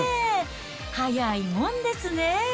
早いもんですね。